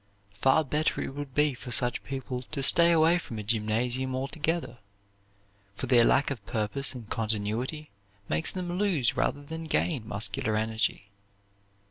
Far better it would be for such people to stay away from a gymnasium altogether, for their lack of purpose and continuity makes them lose rather than gain muscular energy.